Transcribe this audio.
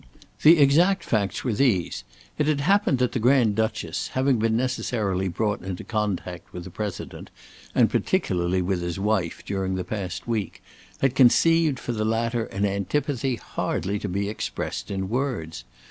The exact facts were these. It had happened that the Grand Duchess, having been necessarily brought into contact with the President, and particularly with his wife, during the past week, had conceived for the latter an antipathy hardly to be expressed in words.